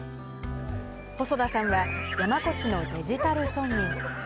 細田さんは、山古志のデジタル村民。